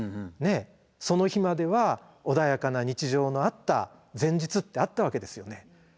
ねえその日までは穏やかな日常のあった前日ってあったわけですよね。